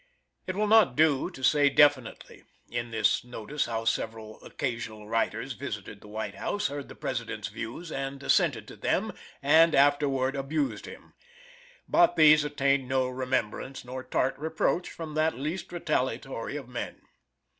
It will not do to say definitely In this notice how several occasional writers visited the White House, heard the President's views and assented to them and afterward abused him. But these attained no remembrance nor tart reproach from that least retaliatory of men.